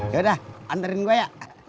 yaudah anterin gua ya